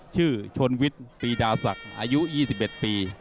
ชนวิทย์ปีดาศักดิ์อายุ๒๑ปี